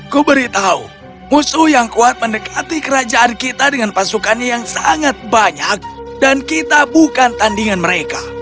kuberitahu musuh yang kuat mendekati kerajaan kita dengan pasukannya yang sangat banyak dan kita bukan tandingan mereka